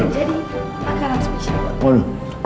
jadi itu makanan spesial